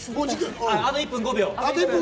あと１分５秒！